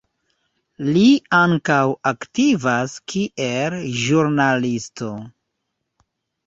Li ankaŭ aktivas kiel ĵurnalisto.